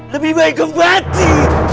lebih baik kau mati